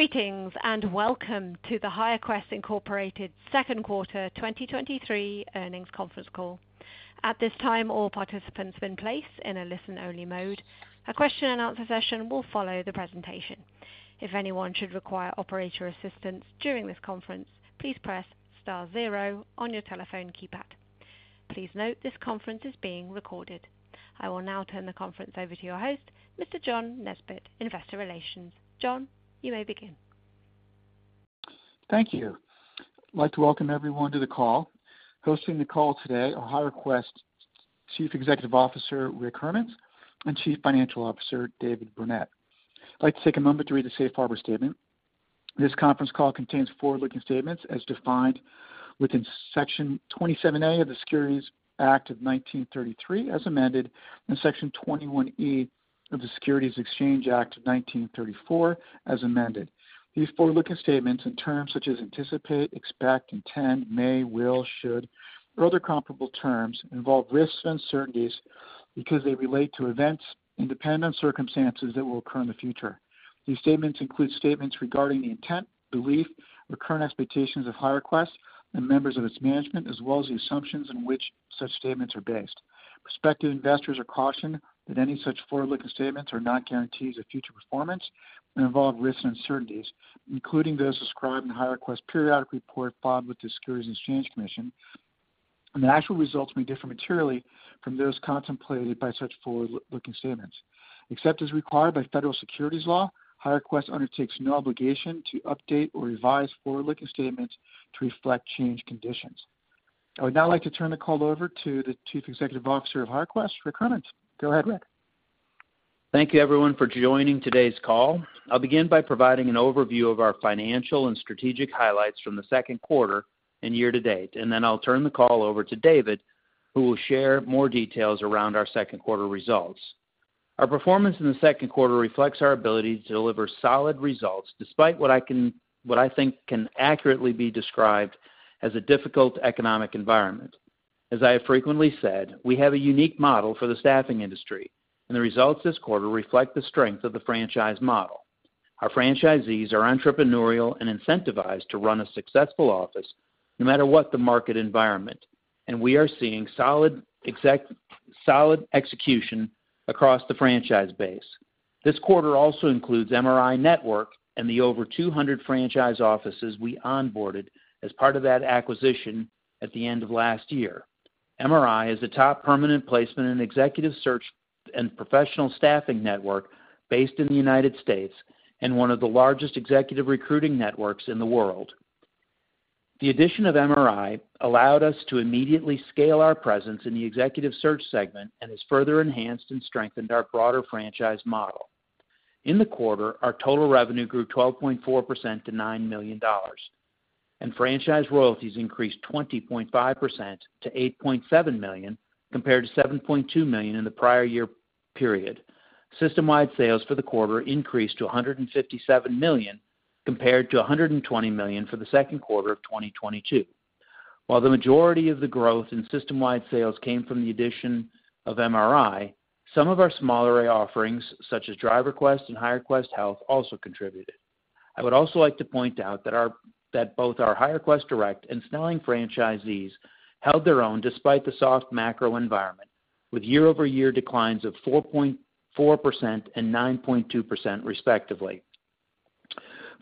Greetings, welcome to the HireQuest, Inc. second quarter 2023 earnings conference call. At this time, all participants have been placed in a listen-only mode. A question-and-answer session will follow the presentation. If anyone should require operator assistance during this conference, please press star zero on your telephone keypad. Please note, this conference is being recorded. I will now turn the conference over to your host, Mr. John Nesbett, Investor Relations. John, you may begin. Thank you. I'd like to welcome everyone to the call. Hosting the call today are HireQuest Chief Executive Officer, Rick Hermanns, and Chief Financial Officer, David Burnett. I'd like to take a moment to read the safe harbor statement. This conference call contains forward-looking statements as defined within Section 27A of the Securities Act of 1933, as amended, and Section 21E of the Securities Exchange Act of 1934, as amended. These forward-looking statements, in terms such as anticipate, expect, intend, may, will, should, or other comparable terms, involve risks and uncertainties because they relate to events and dependent circumstances that will occur in the future. These statements include statements regarding the intent, belief, or current expectations of HireQuest and members of its management, as well as the assumptions in which such statements are based. Prospective investors are cautioned that any such forward-looking statements are not guarantees of future performance and involve risks and uncertainties, including those described in HireQuest's periodic report filed with the Securities and Exchange Commission, and the actual results may differ materially from those contemplated by such forward-looking statements. Except as required by federal securities law, HireQuest undertakes no obligation to update or revise forward-looking statements to reflect changed conditions. I would now like to turn the call over to the Chief Executive Officer of HireQuest, Rick Hermanns. Go ahead, Rick. Thank you, everyone, for joining today's call. I'll begin by providing an overview of our financial and strategic highlights from the second quarter and year to date, then I'll turn the call over to David, who will share more details around our second quarter results. Our performance in the second quarter reflects our ability to deliver solid results, despite what I think can accurately be described as a difficult economic environment. As I have frequently said, we have a unique model for the staffing industry, the results this quarter reflect the strength of the franchise model. Our franchisees are entrepreneurial and incentivized to run a successful office, no matter what the market environment, we are seeing solid execution across the franchise base. This quarter also includes MRINetwork and the over 200 franchise offices we onboarded as part of that acquisition at the end of last year. MRI is a top permanent placement in executive search and professional staffing network based in the United States and one of the largest executive recruiting networks in the world. The addition of MRI allowed us to immediately scale our presence in the executive search segment and has further enhanced and strengthened our broader franchise model. In the quarter, our total revenue grew 12.4% to $9 million, and franchise royalties increased 20.5% to $8.7 million, compared to $7.2 million in the prior year period. System-wide sales for the quarter increased to $157 million, compared to $120 million for the second quarter of 2022. While the majority of the growth in system-wide sales came from the addition of MRI, some of our smaller array offerings, such as DriverQuest and HireQuest Health, also contributed. I would also like to point out that both our HireQuest Direct and Snelling franchisees held their own despite the soft macro environment, with year-over-year declines of 4.4% and 9.2%, respectively.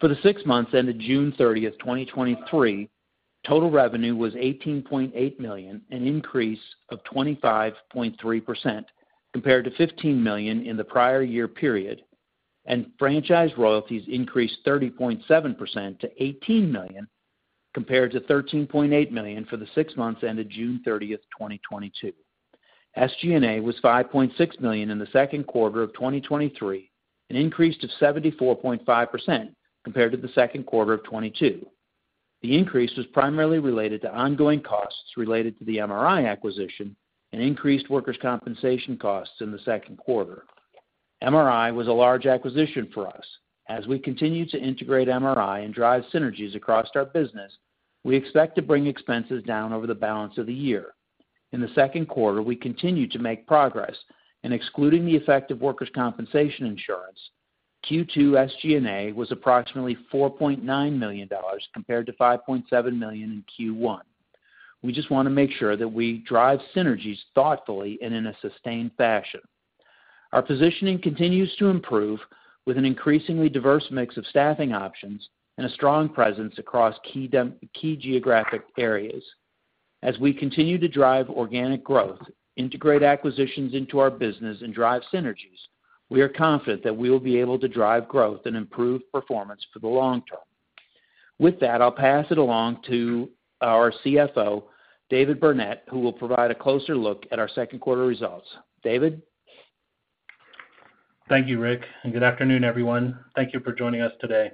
For the six months ended June 30th, 2023, total revenue was $18.8 million, an increase of 25.3%, compared to $15 million in the prior year period, and franchise royalties increased 30.7% to $18 million, compared to $13.8 million for the six months ended June 30th, 2022. SG&A was $5.6 million in the second quarter of 2023, an increase of 74.5% compared to the second quarter of 2022. The increase was primarily related to ongoing costs related to the MRI acquisition and increased workers' compensation costs in the second quarter. MRI was a large acquisition for us. We continue to integrate MRI and drive synergies across our business, we expect to bring expenses down over the balance of the year. In the second quarter, we continued to make progress, and excluding the effect of workers' compensation insurance, Q2 SG&A was approximately $4.9 million, compared to $5.7 million in Q1. We just want to make sure that we drive synergies thoughtfully and in a sustained fashion. Our positioning continues to improve, with an increasingly diverse mix of staffing options and a strong presence across key geographic areas. As we continue to drive organic growth, integrate acquisitions into our business, and drive synergies, we are confident that we will be able to drive growth and improve performance for the long term. With that, I'll pass it along to our CFO, David Burnett, who will provide a closer look at our second quarter results. David? Thank you, Rick. Good afternoon, everyone. Thank you for joining us today.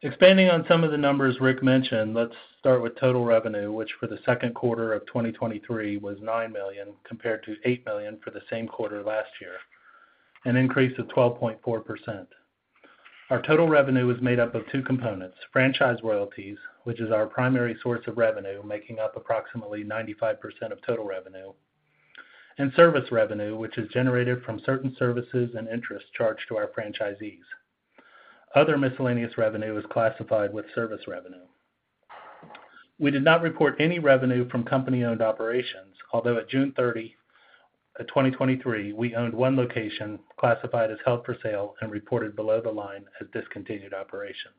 Expanding on some of the numbers Rick mentioned, let's start with total revenue, which for the second quarter of 2023 was $9 million, compared to $8 million for the same quarter last year, an increase of 12.4%. Our total revenue is made up of two components: franchise royalties, which is our primary source of revenue, making up approximately 95% of total revenue, and service revenue, which is generated from certain services and interests charged to our franchisees. Other miscellaneous revenue is classified with service revenue. We did not report any revenue from company-owned operations, although at June 30, 2023, we owned one location classified as held for sale and reported below the line as discontinued operations.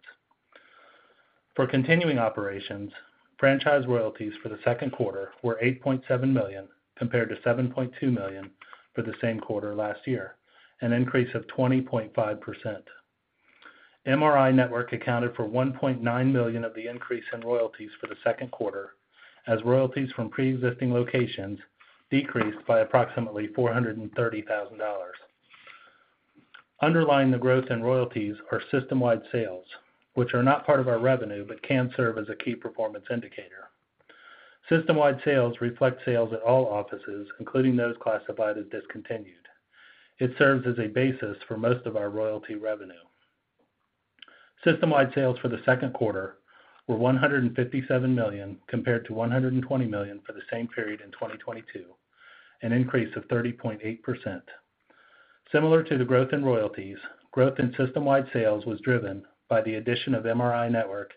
For continuing operations, franchise royalties for the second quarter were $8.7 million, compared to $7.2 million for the same quarter last year, an increase of 20.5%. MRINetwork accounted for $1.9 million of the increase in royalties for the second quarter, as royalties from pre-existing locations decreased by approximately $430,000. Underlying the growth in royalties are system-wide sales, which are not part of our revenue, but can serve as a key performance indicator. System-wide sales reflect sales at all offices, including those classified as discontinued. It serves as a basis for most of our royalty revenue. System-wide sales for the second quarter were $157 million, compared to $120 million for the same period in 2022, an increase of 30.8%. Similar to the growth in royalties, growth in system-wide sales was driven by the addition of MRINetwork,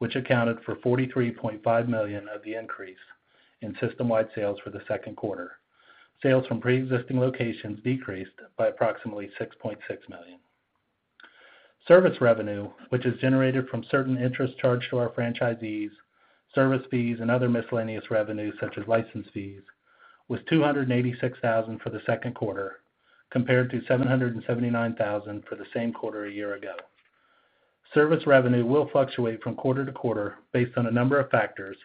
which accounted for $43.5 million of the increase in system-wide sales for the second quarter. Sales from pre-existing locations decreased by approximately $6.6 million. Service revenue, which is generated from certain interests charged to our franchisees, service fees, and other miscellaneous revenue, such as license fees, was $286,000 for the second quarter, compared to $779,000 for the same quarter a year ago. Service revenue will fluctuate from quarter to quarter based on a number of factors,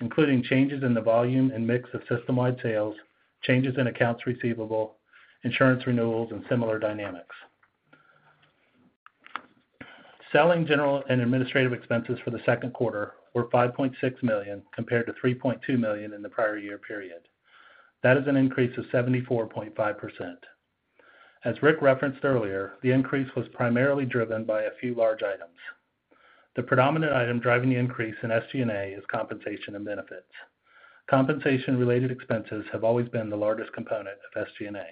including changes in the volume and mix of system-wide sales, changes in accounts receivable, insurance renewals, and similar dynamics. Selling, general, and administrative expenses for the second quarter were $5.6 million, compared to $3.2 million in the prior year period. That is an increase of 74.5%. As Rick referenced earlier, the increase was primarily driven by a few large items. The predominant item driving the increase in SG&A is compensation and benefits. Compensation related expenses have always been the largest component of SG&A.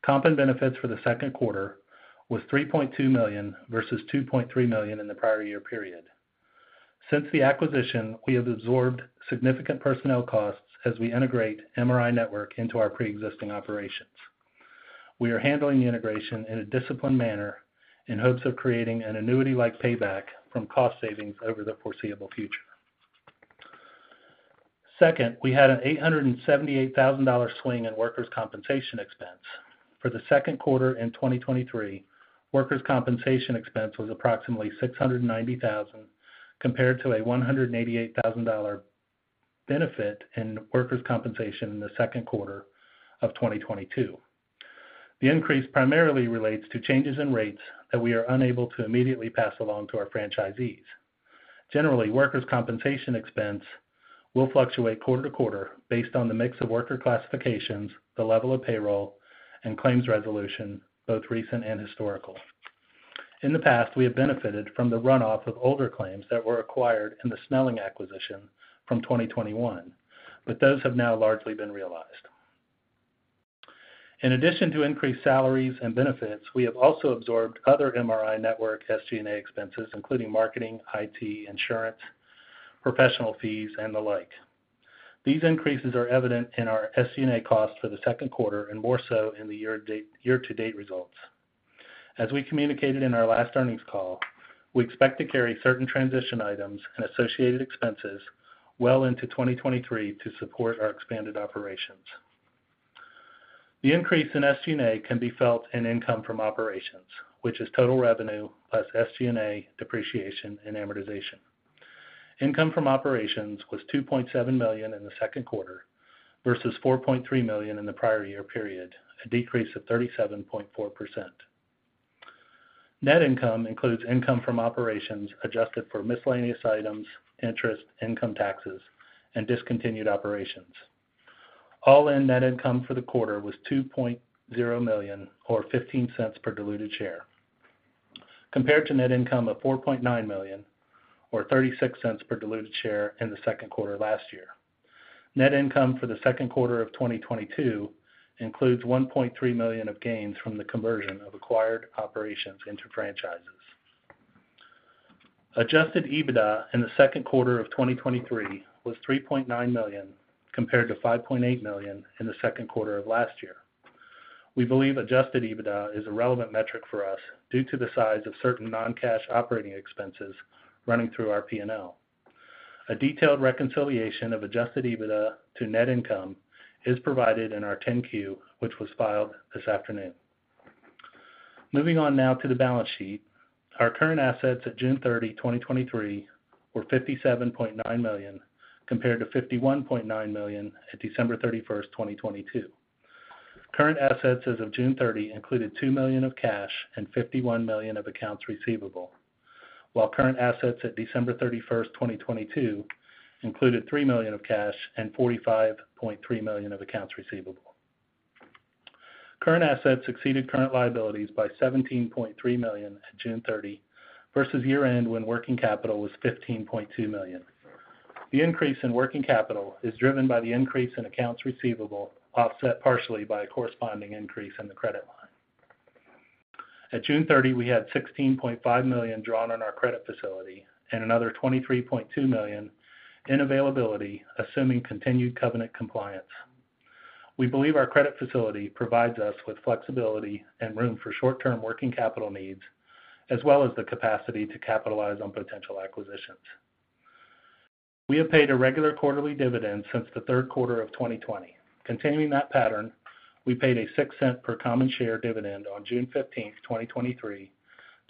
Comp and benefits for the second quarter was $3.2 million versus $2.3 million in the prior year period. Since the acquisition, we have absorbed significant personnel costs as we integrate MRINetwork into our pre-existing operations. We are handling the integration in a disciplined manner in hopes of creating an annuity-like payback from cost savings over the foreseeable future. Second, we had an $878,000 swing in workers' compensation expense. For the second quarter in 2023, workers' compensation expense was approximately $690,000, compared to a $188,000 benefit in workers' compensation in the second quarter of 2022. The increase primarily relates to changes in rates that we are unable to immediately pass along to our franchisees. Generally, workers' compensation expense will fluctuate quarter to quarter based on the mix of worker classifications, the level of payroll, and claims resolution, both recent and historical. In the past, we have benefited from the runoff of older claims that were acquired in the Snelling acquisition from 2021, but those have now largely been realized. In addition to increased salaries and benefits, we have also absorbed other MRINetwork SG&A expenses, including marketing, IT, insurance, professional fees, and the like. These increases are evident in our SG&A costs for the second quarter and more so in the year-to-date results. As we communicated in our last earnings call, we expect to carry certain transition items and associated expenses well into 2023 to support our expanded operations. The increase in SG&A can be felt in income from operations, which is total revenue plus SG&A depreciation and amortization. Income from operations was $2.7 million in the second quarter versus $4.3 million in the prior year period, a decrease of 37.4%. Net income includes income from operations adjusted for miscellaneous items, interest, income taxes, and discontinued operations. All-in net income for the quarter was $2.0 million or $0.15 per diluted share, compared to net income of $4.9 million or $0.36 per diluted share in the second quarter last year. Net income for the second quarter of 2022 includes $1.3 million of gains from the conversion of acquired operations into franchises. Adjusted EBITDA in the second quarter of 2023 was $3.9 million, compared to $5.8 million in the second quarter of last year. We believe Adjusted EBITDA is a relevant metric for us due to the size of certain non-cash operating expenses running through our PNL. A detailed reconciliation of Adjusted EBITDA to net income is provided in our 10-Q, which was filed this afternoon. Moving on now to the balance sheet. Our current assets at June 30, 2023, were $57.9 million, compared to $51.9 million at December 31st, 2022. Current assets as of June 30 included $2 million of cash and $51 million of accounts receivable, while current assets at December 31st, 2022, included $3 million of cash and $45.3 million of accounts receivable. Current assets exceeded current liabilities by $17.3 million at June 30, versus year-end when working capital was $15.2 million. The increase in working capital is driven by the increase in accounts receivable, offset partially by a corresponding increase in the credit line. At June 30, we had $16.5 million drawn on our credit facility and another $23.2 million in availability, assuming continued covenant compliance. We believe our credit facility provides us with flexibility and room for short-term working capital needs, as well as the capacity to capitalize on potential acquisitions. We have paid a regular quarterly dividend since the third quarter of 2020. Continuing that pattern, we paid a $0.06 per common share dividend on June 15th, 2023,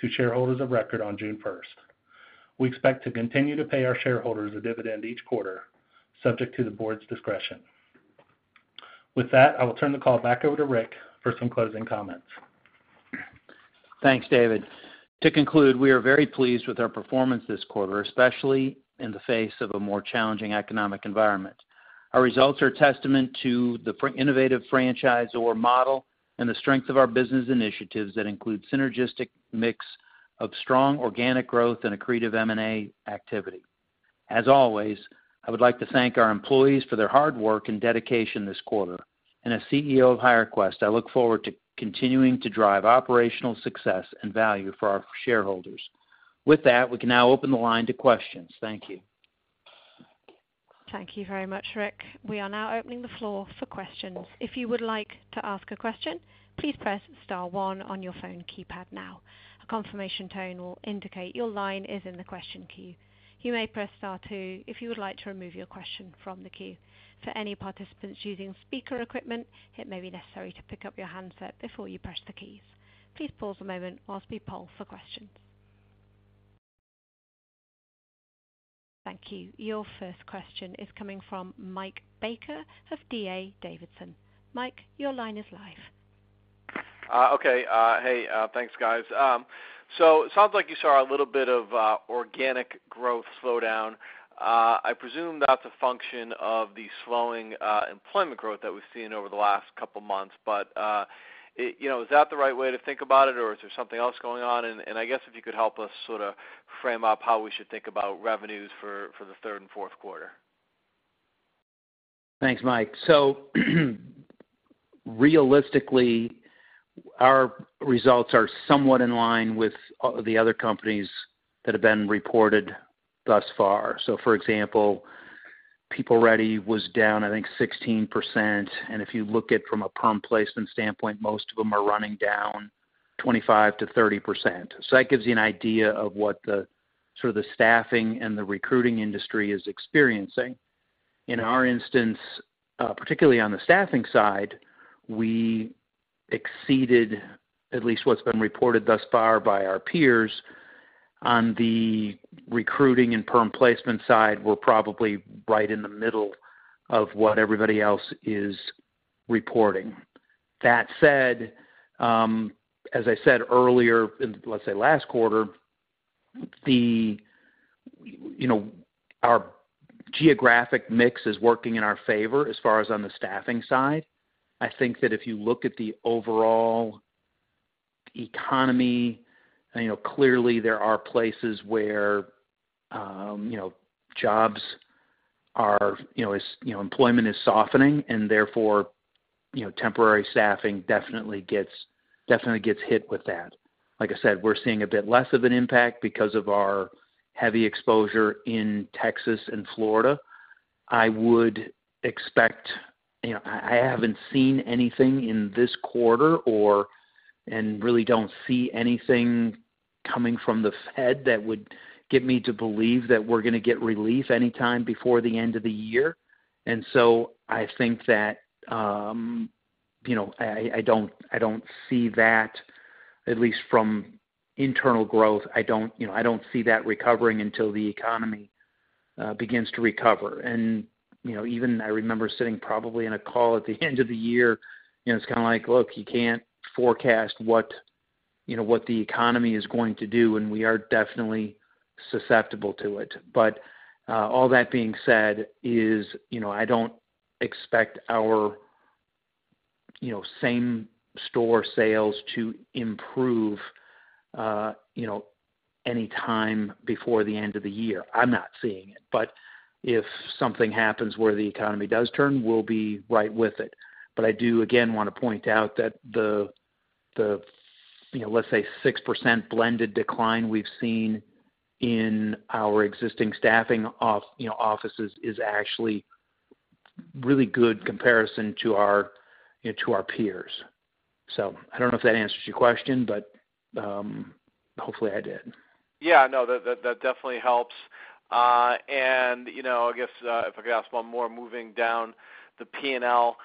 to shareholders of record on June 1st. We expect to continue to pay our shareholders a dividend each quarter, subject to the board's discretion. With that, I will turn the call back over to Rick for some closing comments. Thanks, David. To conclude, we are very pleased with our performance this quarter, especially in the face of a more challenging economic environment. Our results are a testament to the innovative franchise or model and the strength of our business initiatives that include synergistic mix of strong organic growth and accretive M&A activity. As always, I would like to thank our employees for their hard work and dedication this quarter. As CEO of HireQuest, I look forward to continuing to drive operational success and value for our shareholders. With that, we can now open the line to questions. Thank you. Thank you very much, Rick. We are now opening the floor for questions. If you would like to ask a question, please press star one on your phone keypad now. A confirmation tone will indicate your line is in the question queue. You may press star one if you would like to remove your question from the queue. For any participants using speaker equipment, it may be necessary to pick up your handset before you press the keys. Please pause a moment whilst we poll for questions. Thank you. Your first question is coming from Mike Baker of D.A. Davidson. Mike, your line is live. Okay, hey, thanks, guys. It sounds like you saw a little bit of organic growth slowdown. I presume that's a function of the slowing employment growth that we've seen over the last couple of months. You know, is that the right way to think about it, or is there something else going on? I guess if you could help us sorta frame up how we should think about revenues for the third and fourth quarter. Thanks, Mike. Realistically, our results are somewhat in line with the other companies that have been reported thus far. For example, PeopleReady was down, I think, 16%, and if you look at from a permanent placement standpoint, most of them are running down 25%-30%. That gives you an idea of what the, sort of the staffing and the recruiting industry is experiencing. In our instance, particularly on the staffing side, we exceeded at least what's been reported thus far by our peers. On the recruiting and permanent placement side, we're probably right in the middle of what everybody else is reporting. That said, as I said earlier, in let's say, last quarter, the, you know, our geographic mix is working in our favor as far as on the staffing side. I think that if you look at the overall economy, you know, clearly there are places where, you know, jobs are, you know, is, you know, employment is softening, and therefore, you know, temporary staffing definitely gets, definitely gets hit with that. Like I said, we're seeing a bit less of an impact because of our heavy exposure in Texas and Florida. I would expect, you know, I, I haven't seen anything in this quarter or, and really don't see anything coming from the Fed that would get me to believe that we're going to get relief anytime before the end of the year. I think that, you know, I, I don't, I don't see that, at least from internal growth, I don't, you know, I don't see that recovering until the economy begins to recover. You know, even I remember sitting probably in a call at the end of the year, you know, it's kinda like: Look, you can't forecast what, you know, what the economy is going to do, and we are definitely susceptible to it. All that being said is, you know, I don't expect our, you know, same-store sales to improve, you know, any time before the end of the year. I'm not seeing it. If something happens where the economy does turn, we'll be right with it. I do again, want to point out that the, the, you know, let's say, 6% blended decline we've seen in our existing staffing, you know, offices is actually really good comparison to our, you know, to our peers. I don't know if that answers your question, but hopefully I did. Yeah, no, that, that, that definitely helps. You know, I guess, if I could ask one more, moving down the P&L,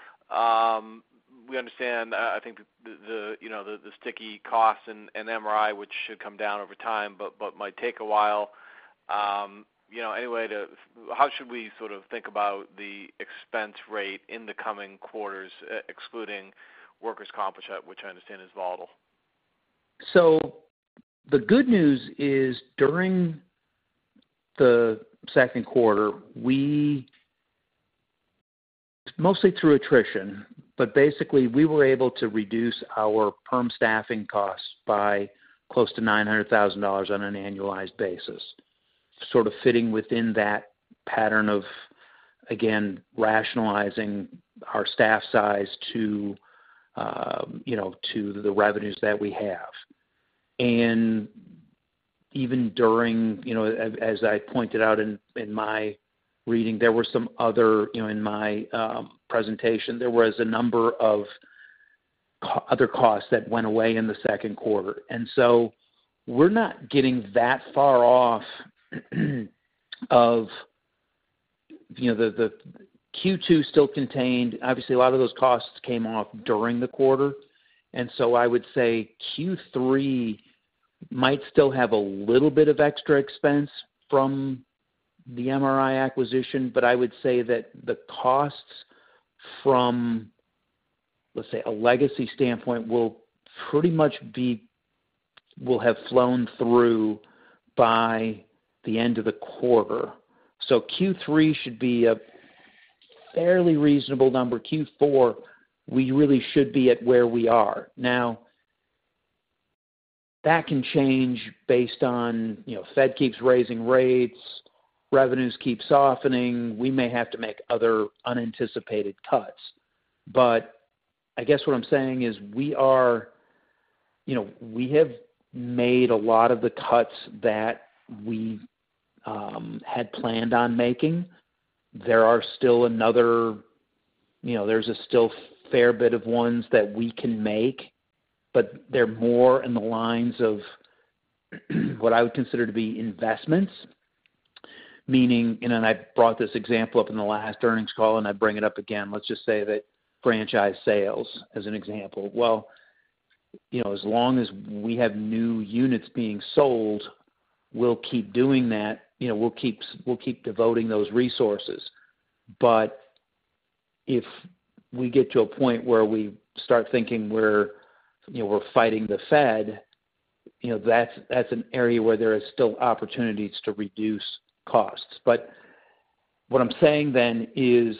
we understand, I think the, the, you know, the sticky costs and, and MRI, which should come down over time, but, but might take a while, you know, how should we sort of think about the expense rate in the coming quarters, excluding workers' comp, which I understand is volatile? The good news is, during the second quarter, we, mostly through attrition, but basically we were able to reduce our perm staffing costs by close to $900,000 on an annualized basis. Sort of fitting within that pattern of, again, rationalizing our staff size to, you know, to the revenues that we have. Even during, you know, as, as I pointed out in, in my reading, there were some other, you know, in my presentation, there was a number of other costs that went away in the second quarter. We're not getting that far off of, you know, the, the Q2 still contained, obviously, a lot of those costs came off during the quarter, and so I would say Q3 might still have a little bit of extra expense from the MRI acquisition. I would say that the costs from, let's say, a legacy standpoint, will pretty much will have flown through by the end of the quarter. Q3 should be a fairly reasonable number. Q4, we really should be at where we are. Now, that can change based on, you know, Fed keeps raising rates, revenues keep softening. We may have to make other unanticipated cuts. I guess what I'm saying is we are, you know, we have made a lot of the cuts that we had planned on making. There are still another, you know, there's a still fair bit of ones that we can make, but they're more in the lines of, what I would consider to be investments. Meaning, I brought this example up in the last earnings call, and I bring it up again. Let's just say that franchise sales, as an example. Well, you know, as long as we have new units being sold, we'll keep doing that. You know, we'll keep, we'll keep devoting those resources. If we get to a point where we start thinking we're, you know, we're fighting the Fed, you know, that's, that's an area where there is still opportunities to reduce costs. What I'm saying then is,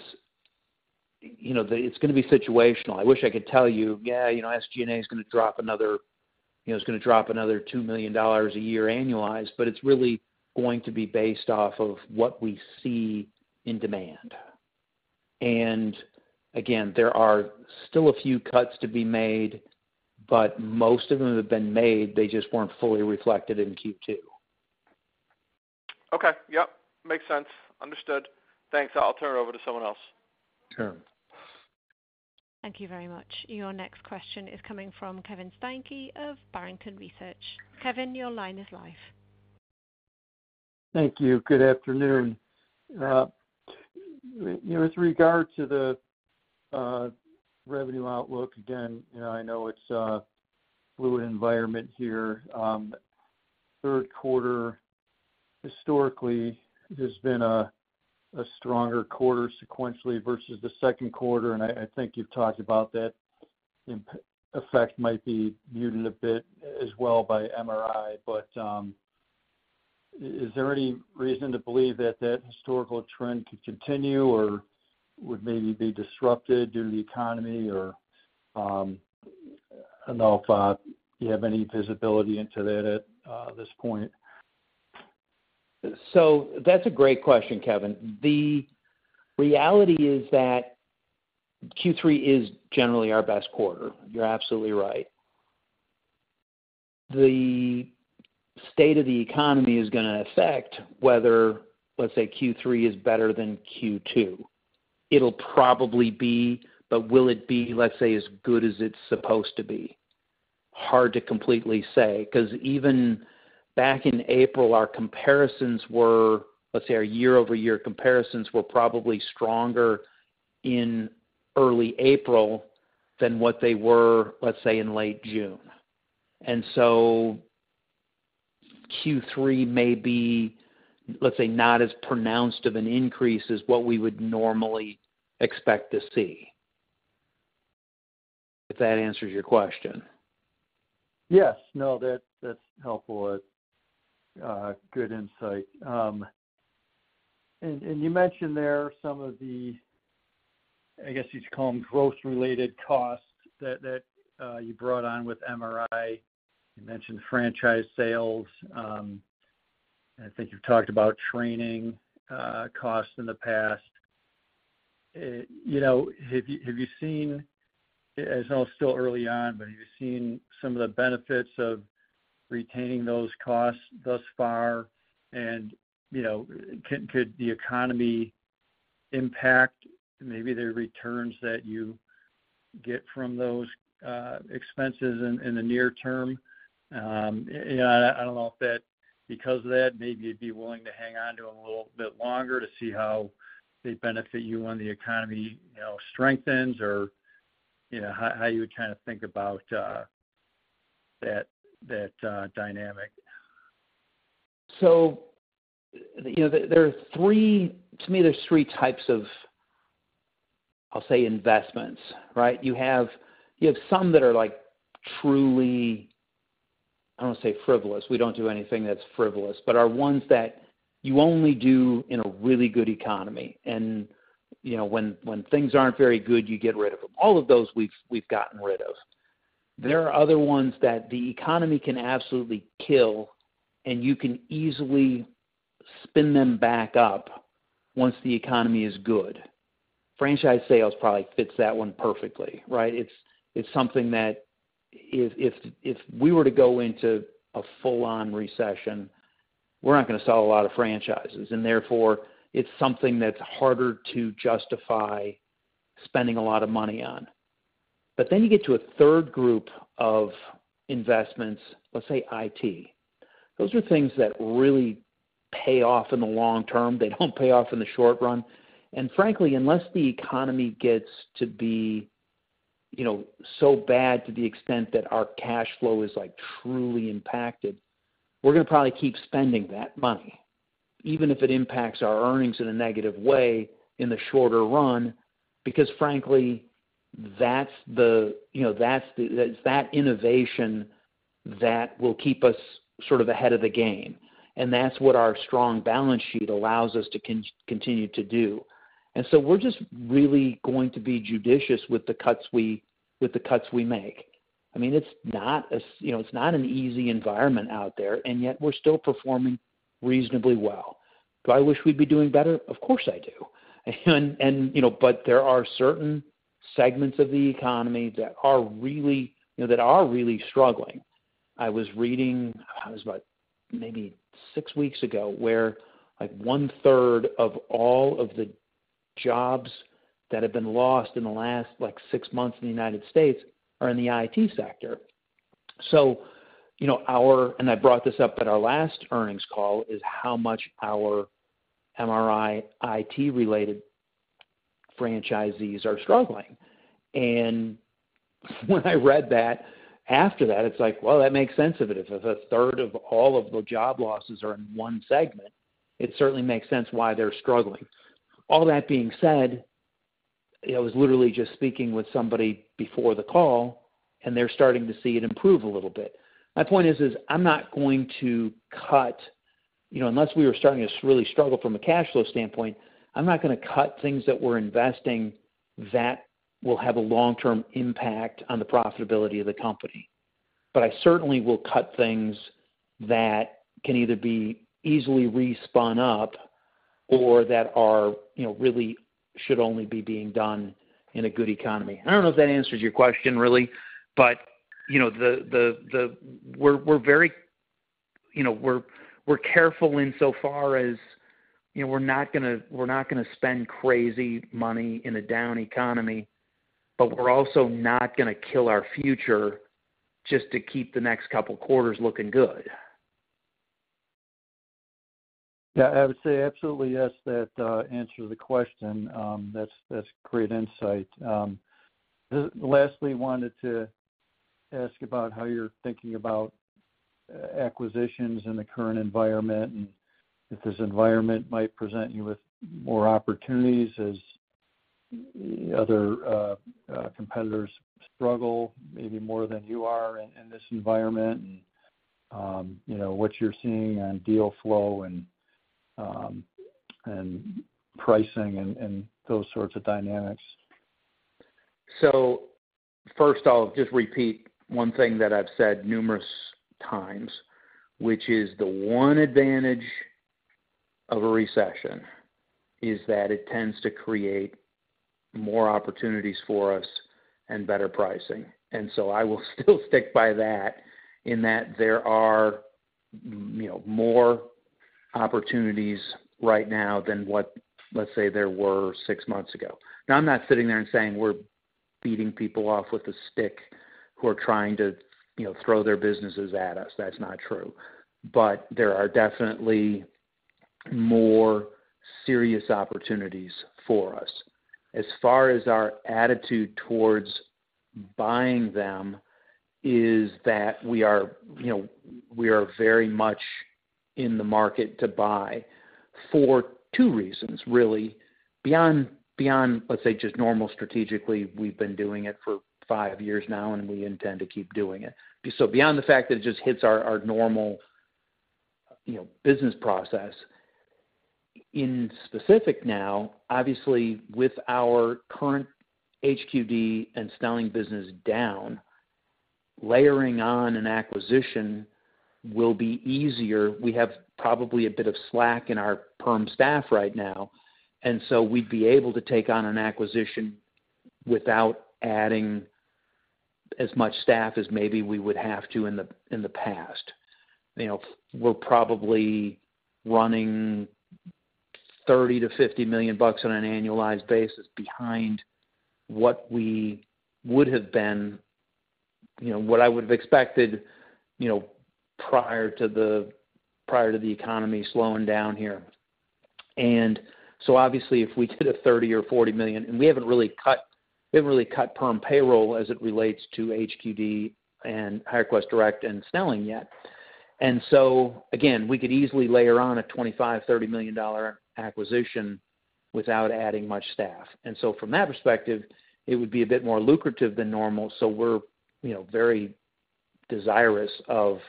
you know, the. It's gonna be situational. I wish I could tell you, "Yeah, you know, SG&A is gonna drop another, you know, it's gonna drop another $2 million a year annualized," it's really going to be based off of what we see in demand. Again, there are still a few cuts to be made, most of them have been made. They just weren't fully reflected in Q2. Okay. Yep, makes sense. Understood. Thanks. I'll turn it over to someone else. Sure. Thank you very much. Your next question is coming from Kevin Steinke of Barrington Research. Kevin, your line is live. Thank you. Good afternoon. You know, with regard to the revenue outlook, again, you know, I know it's a fluid environment here. Third quarter, historically, has been a stronger quarter sequentially versus the second quarter, and I, I think you've talked about that. Effect might be muted a bit as well by MRI, but is there any reason to believe that that historical trend could continue or would maybe be disrupted due to the economy? I don't know if you have any visibility into that at this point. That's a great question, Kevin. The reality is that Q3 is generally our best quarter. You're absolutely right. The state of the economy is gonna affect whether, let's say, Q3 is better than Q2. It'll probably be, but will it be, let's say, as good as it's supposed to be? Hard to completely say, 'cause even back in April, our comparisons were, let's say, our year-over-year comparisons were probably stronger in early April than what they were, let's say, in late June. Q3 may be, let's say, not as pronounced of an increase as what we would normally expect to see. If that answers your question. Yes. No, that, that's helpful. Good insight. And, and you mentioned there some of the, I guess you'd call them, growth-related costs that, that, you brought on with MRI. You mentioned franchise sales. I think you've talked about training, costs in the past. You know, have you, have you seen, I know it's still early on, but have you seen some of the benefits of retaining those costs thus far? And, you know, can, could the economy impact maybe the returns that you get from those, expenses in, in the near term? I, I don't know if that, because of that, maybe you'd be willing to hang on to them a little bit longer to see how they benefit you when the economy, you know, strengthens or, you know, how, how you would kind of think about, that, that, dynamic. you know, there, there are three... To me, there are three types of... I'll say investments, right? You have, you have some that are like truly, I don't wanna say frivolous, we don't do anything that's frivolous, but are ones that you only do in a really good economy. you know, when, when things aren't very good, you get rid of them. All of those, we've, we've gotten rid of. There are other ones that the economy can absolutely kill, and you can easily spin them back up once the economy is good. Franchise sales probably fits that one perfectly, right? It's, it's something that if, if, if we were to go into a full-on recession, we're not gonna sell a lot of franchises, and therefore, it's something that's harder to justify spending a lot of money on. Then you get to a third group of investments, let's say IT. Those are things that really pay off in the long term. They don't pay off in the short run. Frankly, unless the economy gets to be, you know, so bad to the extent that our cash flow is, like, truly impacted, we're gonna probably keep spending that money, even if it impacts our earnings in a negative way in the shorter run, because frankly, that's the, you know, that's the, it's that innovation that will keep us sort of ahead of the game, and that's what our strong balance sheet allows us to continue to do. So we're just really going to be judicious with the cuts we, with the cuts we make. I mean, it's not a, you know, it's not an easy environment out there, and yet we're still performing reasonably well. Do I wish we'd be doing better? Of course, I do. You know, but there are certain segments of the economy that are really, you know, that are really struggling. I was reading, it was about maybe six weeks ago, where, like, one third of all of the jobs that have been lost in the last, like, six months in the United States are in the IT sector. You know, our... I brought this up at our last earnings call, is how much our MRI IT-related franchisees are struggling. When I read that, after that, it's like, well, that makes sense. If a third of all of the job losses are in one segment, it certainly makes sense why they're struggling. All that being said, I was literally just speaking with somebody before the call, and they're starting to see it improve a little bit. My point is, is I'm not going to cut, you know, unless we were starting to really struggle from a cash flow standpoint, I'm not gonna cut things that we're investing that will have a long-term impact on the profitability of the company. I certainly will cut things that can either be easily re-spun up or that are, you know, really should only be being done in a good economy. I don't know if that answers your question, really, but, you know, the, the, the... We're, we're very, you know, we're, we're careful in so far as, you know, we're not gonna, we're not gonna spend crazy money in a down economy, but we're also not gonna kill our future just to keep the next couple quarters looking good. Yeah, I would say absolutely, yes, that answers the question. That's, that's great insight. Lastly, wanted to ask about how you're thinking about acquisitions in the current environment, and if this environment might present you with more opportunities as other competitors struggle, maybe more than you are in, in this environment, and, you know, what you're seeing on deal flow and, and pricing and, and those sorts of dynamics. First, I'll just repeat one thing that I've said numerous times, which is the one advantage of a recession is that it tends to create more opportunities for us and better pricing. I will still stick by that, in that there are, you know, more opportunities right now than what, let's say, there were six months ago. Now, I'm not sitting there and saying we're beating people off with a stick who are trying to, you know, throw their businesses at us. That's not true. There are definitely more serious opportunities for us. As far as our attitude towards buying them, is that we are, you know, we are very much in the market to buy for two reasons, really. Beyond, beyond, let's say, just normal strategically, we've been doing it for five years now, and we intend to keep doing it. Beyond the fact that it just hits our, our normal, you know, business process, in specific now, obviously, with our current HQD and Snelling business down, layering on an acquisition will be easier. We have probably a bit of slack in our perm staff right now, and so we'd be able to take on an acquisition without adding as much staff as maybe we would have to in the, in the past. You know, we're probably running $30 million-$50 million on an annualized basis behind what we would have been. You know, what I would have expected, you know, prior to the, prior to the economy slowing down here. Obviously, if we did a $30 million or $40 million, we haven't really cut perm payroll as it relates to HQD and HireQuest Direct and Snelling yet. Again, we could easily layer on a $25 million-$30 million acquisition without adding much staff. From that perspective, it would be a bit more lucrative than normal. We're, you know, very desirous of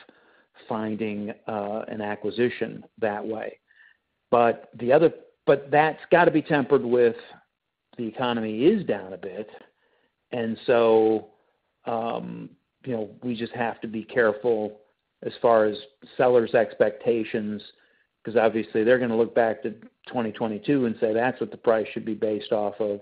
finding an acquisition that way. That's got to be tempered with, the economy is down a bit, and so, you know, we just have to be careful as far as sellers' expectations, because obviously, they're gonna look back to 2022 and say, "That's what the price should be based off of,"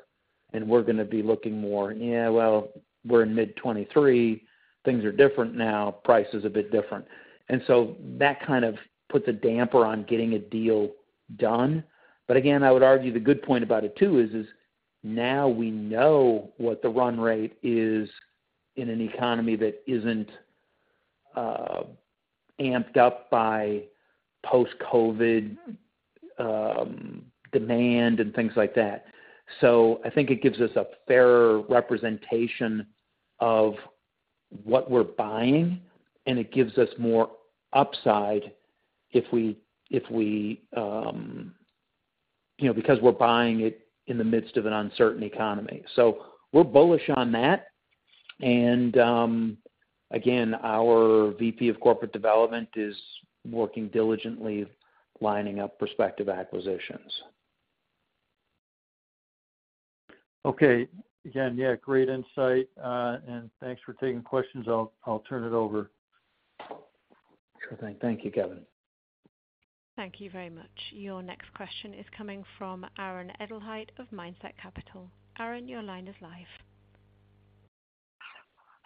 and we're gonna be looking more, "Yeah, well, we're in mid-2023. Things are different now. Price is a bit different." That kind of puts a damper on getting a deal done. Again, I would argue the good point about it, too, is, is now we know what the run rate is in an economy that isn't amped up by post-COVID demand and things like that. I think it gives us a fairer representation of what we're buying, and it gives us more upside if we, if we, you know, because we're buying it in the midst of an uncertain economy. We're bullish on that, and again, our VP of Corporate Development is working diligently, lining up prospective acquisitions. Okay. Again, yeah, great insight, and thanks for taking questions. I'll, I'll turn it over. Sure thing. Thank you, Kevin. Thank you very much. Your next question is coming from Aaron Edelheit of Mindset Capital. Aaron, your line is live.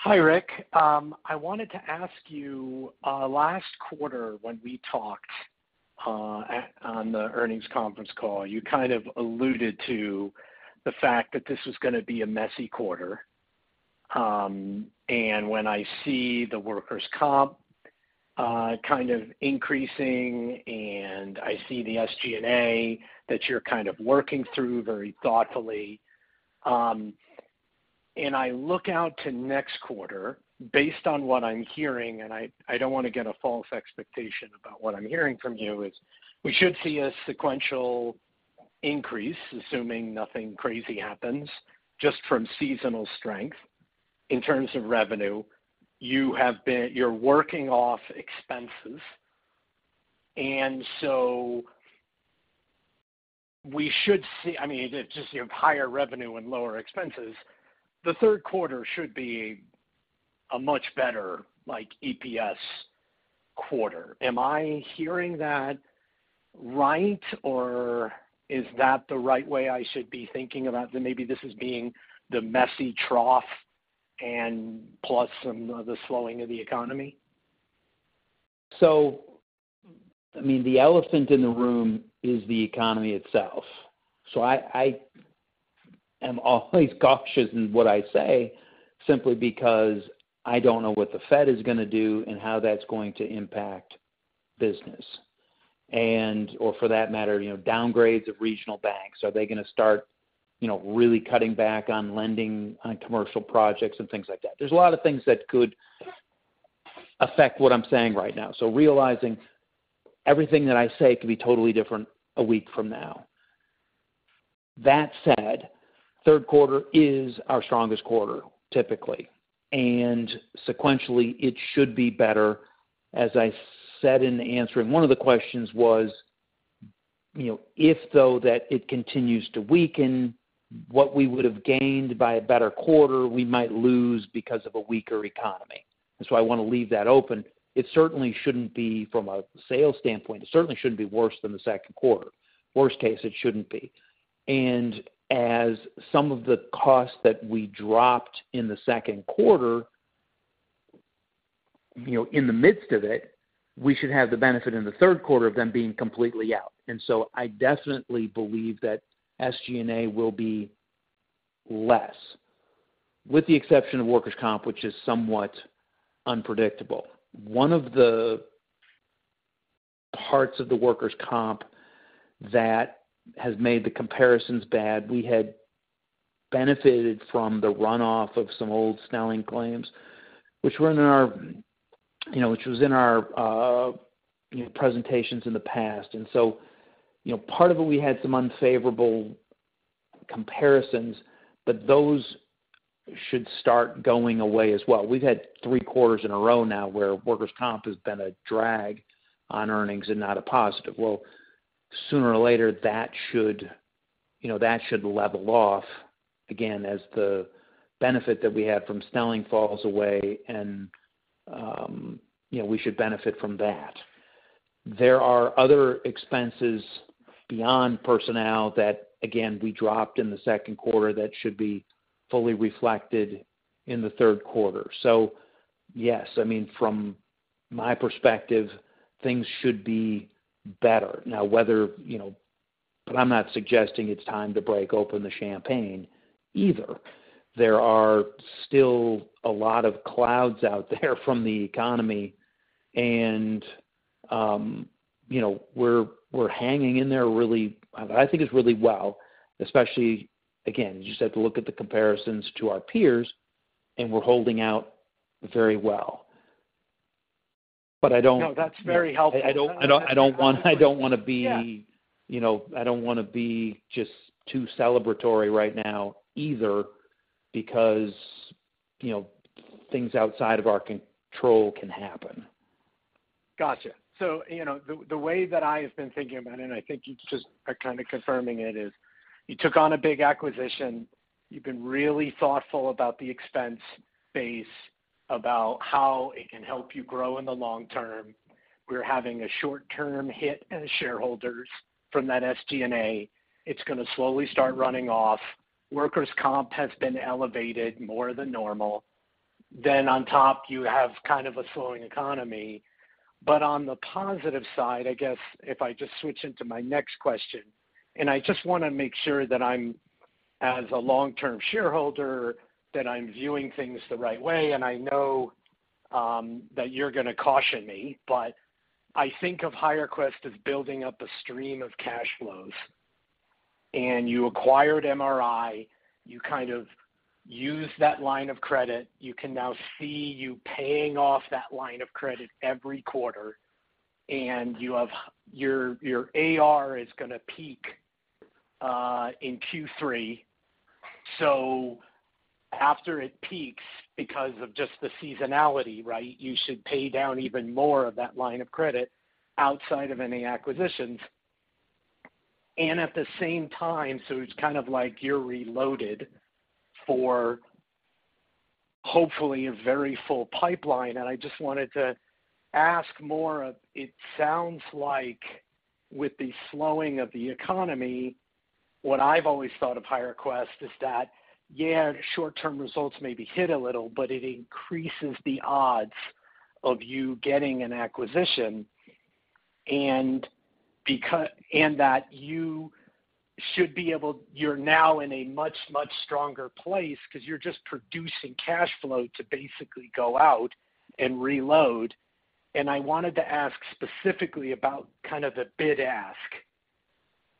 Hi, Rick. I wanted to ask you, last quarter when we talked at, on the earnings conference call, you kind of alluded to the fact that this was gonna be a messy quarter. When I see the workers' comp kind of increasing, and I see the SG&A that you're kind of working through very thoughtfully, and I look out to next quarter, based on what I'm hearing, and I, I don't want to get a false expectation about what I'm hearing from you, is we should see a sequential increase, assuming nothing crazy happens, just from seasonal strength. In terms of revenue, you have been... You're working off expenses, we should see, I mean, just, you have higher revenue and lower expenses. The third quarter should be a much better, like, EPS quarter. Am I hearing that right, or is that the right way I should be thinking about that maybe this is being the messy trough and plus some of the slowing of the economy? I mean, the elephant in the room is the economy itself. I, I am always cautious in what I say, simply because I don't know what the Fed is gonna do and how that's going to impact business. Or for that matter, you know, downgrades of regional banks. Are they gonna start, you know, really cutting back on lending on commercial projects and things like that? There's a lot of things that could affect what I'm saying right now. Realizing everything that I say could be totally different a week from now. That said, third quarter is our strongest quarter, typically, and sequentially, it should be better. As I said in the answer, and one of the questions was, you know, if, though, that it continues to weaken, what we would have gained by a better quarter, we might lose because of a weaker economy. I want to leave that open. It certainly shouldn't be, from a sales standpoint, it certainly shouldn't be worse than the second quarter. Worst case, it shouldn't be. As some of the costs that we dropped in the second quarter, you know, in the midst of it, we should have the benefit in the third quarter of them being completely out. I definitely believe that SG&A will be less, with the exception of workers' comp, which is somewhat unpredictable. One of the parts of the workers' comp that has made the comparisons bad, we had benefited from the runoff of some old Snelling claims, which were in our, you know, which was in our presentations in the past. You know, part of it, we had some unfavorable comparisons, but those should start going away as well. We've had three quarters in a row now where workers' comp has been a drag on earnings and not a positive. Well, sooner or later, that should, you know, that should level off again, as the benefit that we had from Snelling falls away and, you know, we should benefit from that. There are other expenses beyond personnel that, again, we dropped in the second quarter that should be fully reflected in the third quarter. Yes, I mean, from my perspective, things should be better. Now, whether, you know. I'm not suggesting it's time to break open the champagne either. There are still a lot of clouds out there from the economy and we're hanging in there really, I think it's really well, especially again, you just have to look at the comparisons to our peers, and we're holding out very well. I don't- No, that's very helpful. I don't, I don't, I don't want, I don't want to... Yeah. You know, I don't want to be just too celebratory right now either, because, you know, things outside of our control can happen. Gotcha. You know, the way that I have been thinking about it, and I think you just are kind of confirming it, is you took on a big acquisition. You've been really thoughtful about the expense base, about how it can help you grow in the long term. We're having a short-term hit as shareholders from that SG&A. It's going to slowly start running off. Workers' comp has been elevated more than normal. On top, you have kind of a slowing economy. On the positive side, I guess, if I just switch into my next question, and I just want to make sure that I'm, as a long-term shareholder, that I'm viewing things the right way, and I know that you're going to caution me, but I think of HireQuest as building up a stream of cash flows. You acquired MRI, you kind of use that line of credit. You can now see you paying off that line of credit every quarter, and you have... Your, your AR is going to peak in Q3. After it peaks, because of just the seasonality, right, you should pay down even more of that line of credit outside of any acquisitions. At the same time, so it's kind of like you're reloaded for, hopefully, a very full pipeline. I just wanted to ask more of, it sounds like with the slowing of the economy, what I've always thought of HireQuest is that, yeah, short-term results may be hit a little, but it increases the odds of you getting an acquisition. That you should be able, you're now in a much, much stronger place because you're just producing cash flow to basically go out and reload. I wanted to ask specifically about kind of a bid ask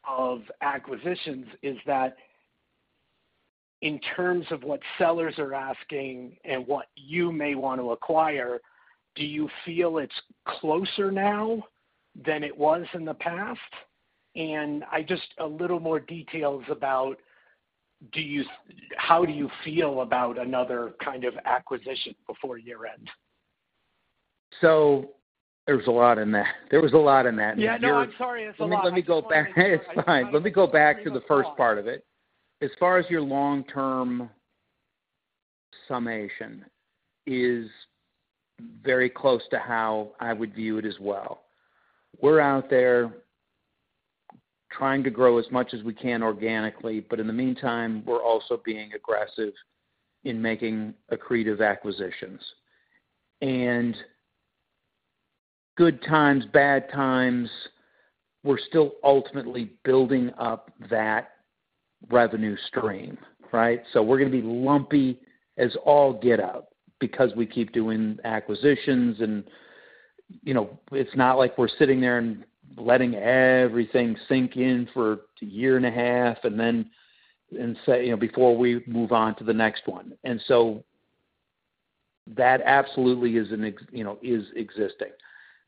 of acquisitions, is that in terms of what sellers are asking and what you may want to acquire, do you feel it's closer now than it was in the past? I just, a little more details about, how do you feel about another kind of acquisition before year-end? There was a lot in there. There was a lot in that. Yeah, no, I'm sorry, it's a lot. Let me go back. It's fine. Let me go back to the first part of it. As far as your long-term summation is very close to how I would view it as well. We're out there trying to grow as much as we can organically, but in the meantime, we're also being aggressive in making accretive acquisitions. Good times, bad times, we're still ultimately building up that revenue stream, right? We're going to be lumpy as all get out because we keep doing acquisitions and, you know, it's not like we're sitting there and letting everything sink in for a year and a half, and then, and say, you know, before we move on to the next one. That absolutely is, you know, existing.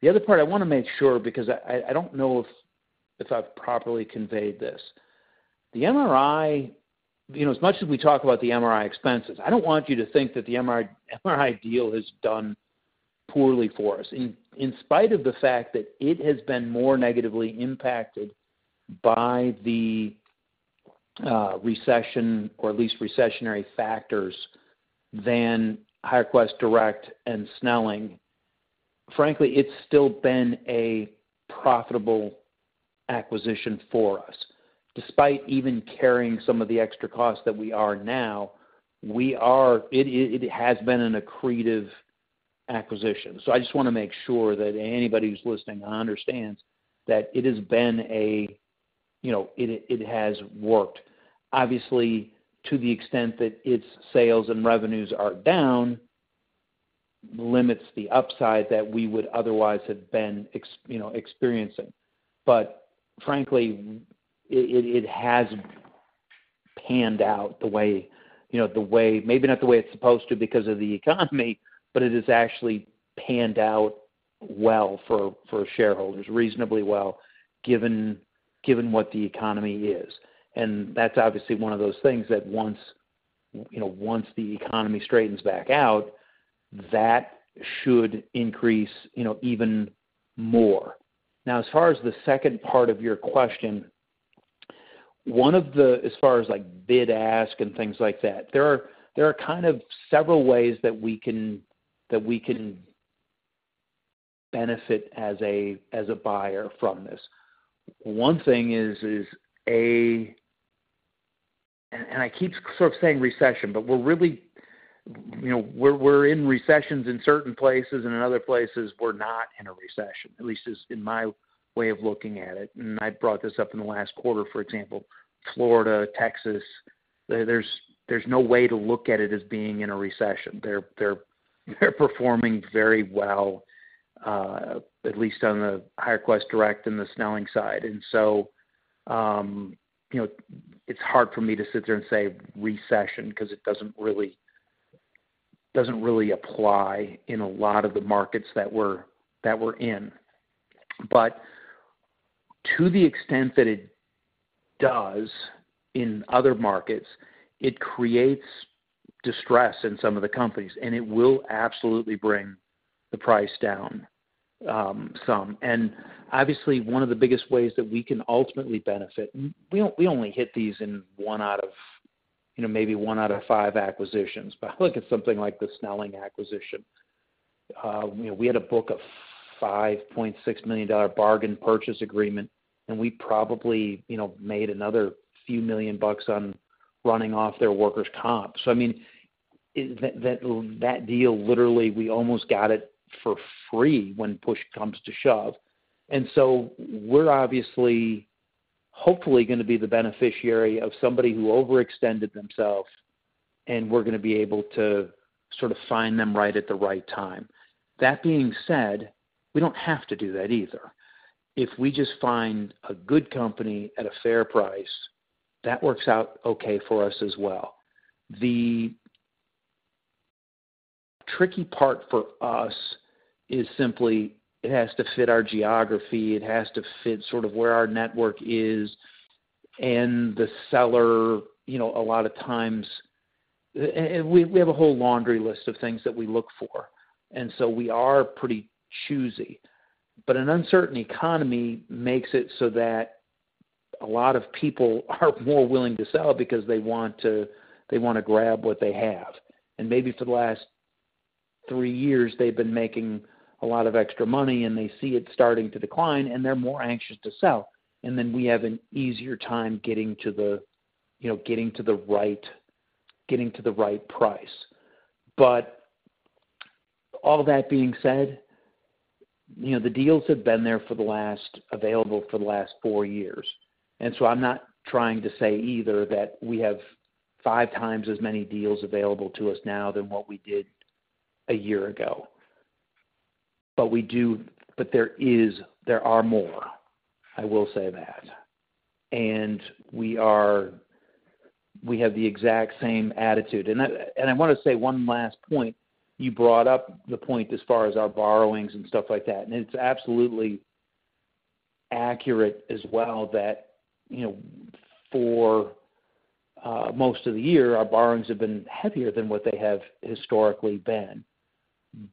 The other part, I want to make sure, because I, I don't know if, if I've properly conveyed this. The MRI, you know, as much as we talk about the MRI expenses, I don't want you to think that the MRI deal has done poorly for us. In spite of the fact that it has been more negatively impacted by the recession, or at least recessionary factors, than HireQuest Direct and Snelling, frankly, it's still been a profitable acquisition for us. Despite even carrying some of the extra costs that we are now, it has been an accretive acquisition. I just want to make sure that anybody who's listening understands that it has been a, you know, it has worked. Obviously, to the extent that its sales and revenues are down, limits the upside that we would otherwise have been, you know, experiencing. Frankly, it has panned out the way, you know, the way... Maybe not the way it's supposed to because of the economy, but it has actually panned out well for, for shareholders, reasonably well, given, given what the economy is. That's obviously one of those things that once, you know, once the economy straightens back out, that should increase, you know, even more. Now, as far as the second part of your question, one of the, as far as, like, bid ask and things like that, there are, there are kind of several ways that we can, that we can benefit as a, as a buyer from this. One thing is, is a... I keep sort of saying recession, but we're really, you know, we're, we're in recessions in certain places, and in other places, we're not in a recession, at least as in my way of looking at it. I brought this up in the last quarter, for example, Florida, Texas. There's, there's, there's no way to look at it as being in a recession. They're, they're, they're performing very well, at least on the HireQuest Direct and the Snelling side. You know, it's hard for me to sit there and say recession, 'cause it doesn't really, doesn't really apply in a lot of the markets that we're, that we're in. To the extent that it does in other markets, it creates distress in some of the companies, and it will absolutely bring the price down, some. Obviously, one of the biggest ways that we can ultimately benefit, and we only, we only hit these in 1 out of, you know, maybe one out of five acquisitions. I look at something like the Snelling acquisition. You know, we had a book of $5.6 million bargain purchase agreement, and we probably, you know, made another few million bucks on running off their workers' comp. I mean, that, that deal, literally, we almost got it for free when push comes to shove. We're obviously, hopefully, gonna be the beneficiary of somebody who overextended themselves, and we're gonna be able to sort of find them right at the right time. That being said, we don't have to do that either. If we just find a good company at a fair price, that works out okay for us as well. The tricky part for us is simply it has to fit our geography, it has to fit sort of where our network is, and the seller, you know, a lot of times... We, we have a whole laundry list of things that we look for, and so we are pretty choosy. An uncertain economy makes it so that a lot of people are more willing to sell because they want to, they want to grab what they have. Maybe for the last three years, they've been making a lot of extra money, and they see it starting to decline, and they're more anxious to sell. Then we have an easier time getting to the, you know, getting to the right, getting to the right price. All that being said, you know, the deals have been there for the last, available for the last four years. I'm not trying to say either that we have five times as many deals available to us now than what we did a year ago. There is, there are more, I will say that. We are, we have the exact same attitude. I want to say one last point. You brought up the point as far as our borrowings and stuff like that, and it's absolutely accurate as well, that, you know, for most of the year, our borrowings have been heavier than what they have historically been.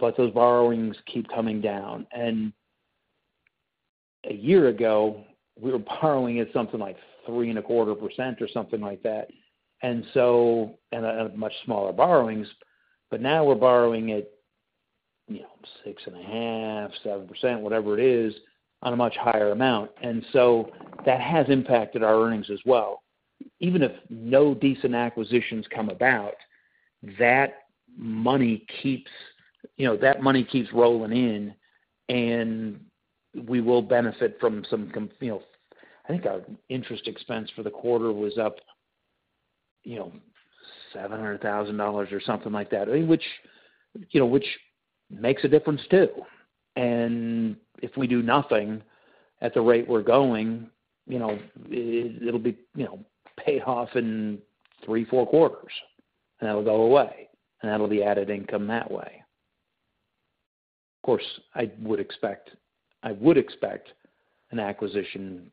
Those borrowings keep coming down, and a year ago, we were borrowing at something like 3.25% or something like that. A much smaller borrowings, but now we're borrowing at, you know, 6.5%-7%, whatever it is, on a much higher amount. That has impacted our earnings as well. Even if no decent acquisitions come about, that money keeps, you know, that money keeps rolling in, we will benefit from some you know, I think our interest expense for the quarter was up, you know, $700,000 or something like that, which, you know, which makes a difference, too. If we do nothing at the rate we're going, you know, it'll be, you know, pay off in three, four quarters, and that'll go away, and that'll be added income that way. Of course, I would expect, I would expect an acquisition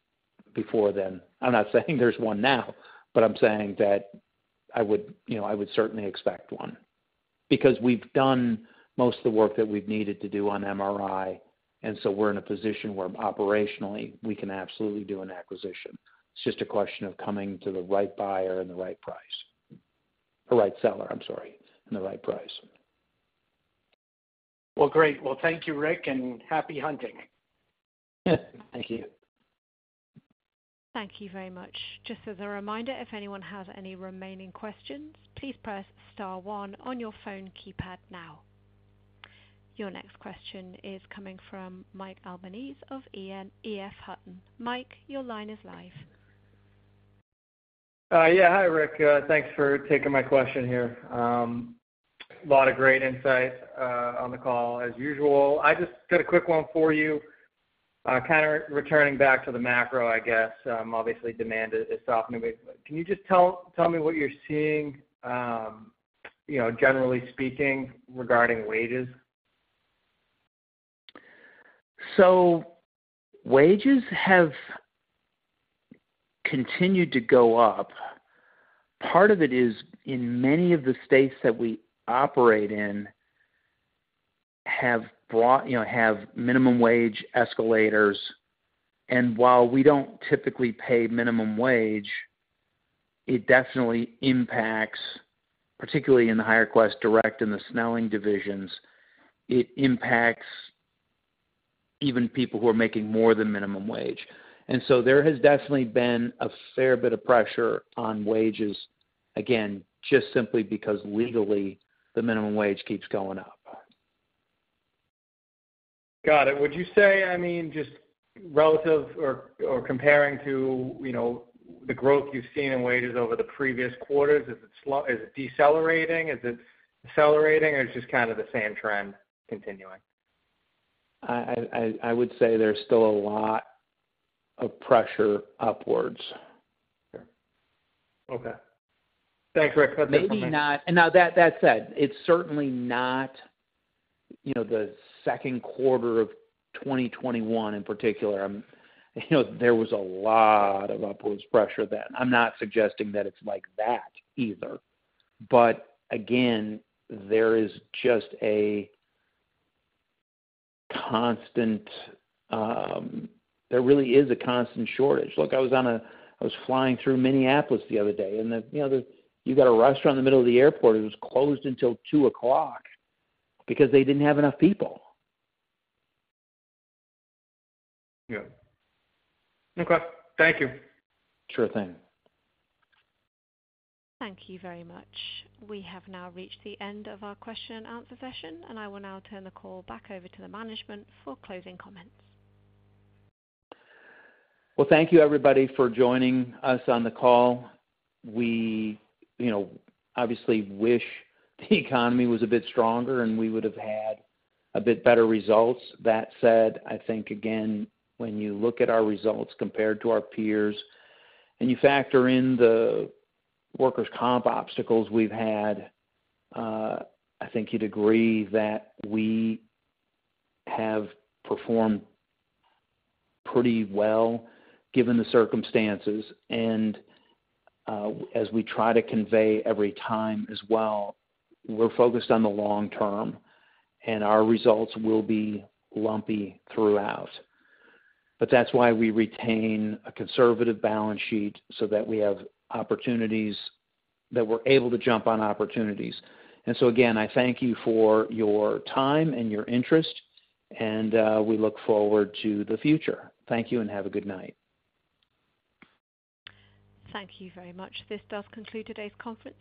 before then. I'm not saying there's one now, but I'm saying that I would, you know, I would certainly expect one. We've done most of the work that we've needed to do on MRI, and so we're in a position where operationally we can absolutely do an acquisition. It's just a question of coming to the right buyer and the right price. The right seller, I'm sorry, and the right price. Well, great. Well, thank you, Rick, and happy hunting. Thank you. Thank you very much. Just as a reminder, if anyone has any remaining questions, please press star one on your phone keypad now. Your next question is coming from Michael Albanese of EF Hutton. Mike, your line is live. Yeah. Hi, Rick. Thanks for taking my question here. A lot of great insight on the call as usual. I just got a quick one for you. Kind of returning back to the macro, I guess. Obviously, demand is softening, but can you just tell, tell me what you're seeing, you know, generally speaking, regarding wages? Wages have continued to go up. Part of it is, in many of the states that we operate in, have brought, you know, have minimum wage escalators. While we don't typically pay minimum wage, it definitely impacts, particularly in the HireQuest Direct and the Snelling divisions, it impacts even people who are making more than minimum wage. There has definitely been a fair bit of pressure on wages, again, just simply because legally, the minimum wage keeps going up. Got it. Would you say, I mean, just relative or, or comparing to, you know, the growth you've seen in wages over the previous quarters, is it decelerating? Is it accelerating, or it's just kind of the same trend continuing? I would say there's still a lot of pressure upwards. Okay. Thanks, Rick. Maybe not. Now that, that said, it's certainly not, you know, the second quarter of 2021 in particular. You know, there was a lot of upwards pressure then. I'm not suggesting that it's like that either. Again, there is just a constant, there really is a constant shortage. Look, I was flying through Minneapolis the other day, and, you know, there's, you got a restaurant in the middle of the airport, it was closed until 2 o'clock because they didn't have enough people. Yeah. No question. Thank you. Sure thing. Thank you very much. We have now reached the end of our question and answer session. I will now turn the call back over to the management for closing comments. Well, thank you, everybody, for joining us on the call. We, you know, obviously wish the economy was a bit stronger, and we would have had a bit better results. That said, I think, again, when you look at our results compared to our peers, and you factor in the workers' comp obstacles we've had, I think you'd agree that we have performed pretty well, given the circumstances. As we try to convey every time as well, we're focused on the long term, and our results will be lumpy throughout. That's why we retain a conservative balance sheet, so that we have opportunities, that we're able to jump on opportunities. Again, I thank you for your time and your interest, and we look forward to the future. Thank you, and have a good night. Thank you very much. This does conclude today's conference.